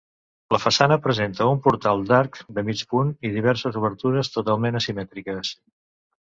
La façana presenta un portal d'arc de mig punt i diverses obertures totalment asimètriques.